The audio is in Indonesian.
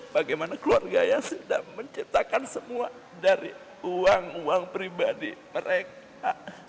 bagaimana keluarga yang sedang menciptakan semua dari uang uang pribadi mereka